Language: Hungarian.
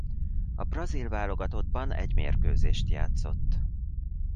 A brazil válogatottban egy mérkőzést játszott.